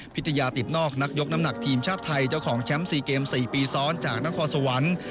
พิทยาติดนอกนักยกน้ำหนักทีมชาติไทยเจ้าของแชมป์๔เกม๔ปีซ้อนจากนครสวรรค์